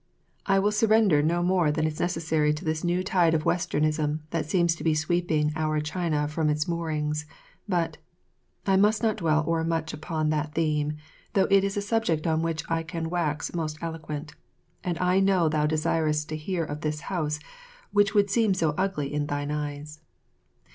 I will surrender no more than is necessary to this new tide of Westernism that seems to be sweeping our China from its moorings; but I must not dwell o'ermuch upon that theme, though it is a subject on which I can wax most eloquent, and I know thou desirest to hear of this house which would seem so ugly in thine eyes.